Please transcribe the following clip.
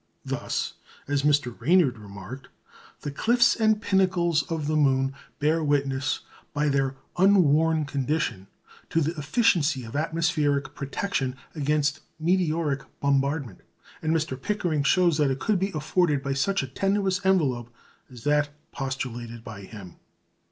Thus as Mr. Ranyard remarked the cliffs and pinnacles of the moon bear witness, by their unworn condition, to the efficiency of atmospheric protection against meteoric bombardment; and Mr. Pickering shows that it could be afforded by such a tenuous envelope as that postulated by him.